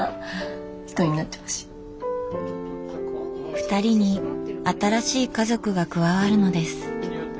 ふたりに新しい家族が加わるのです。